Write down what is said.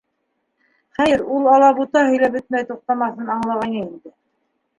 Хәйер, ул Алатуба һөйләп бөтмәй туҡтамаҫын аңлағайны инде.